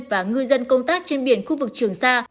và ngư dân công tác trên biển khu vực trường sa